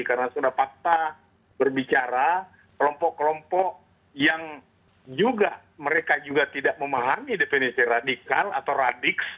karena sudah fakta berbicara kelompok kelompok yang juga mereka juga tidak memahami definisi radikal atau radiks